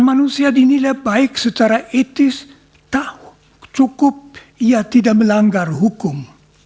manusia dinilai baik secara etis cukup ia tidak melanggar hukum